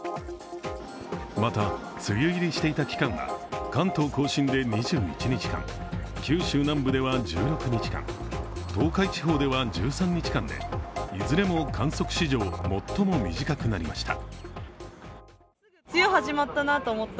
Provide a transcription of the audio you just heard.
また、梅雨入りしていた期間は関東甲信で２１日間、九州南部では１６日間東海地方では１３日間でいずれも観測史上最も短くなりました。